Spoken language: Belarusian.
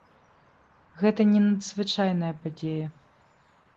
Гэта не надзвычайная падзея.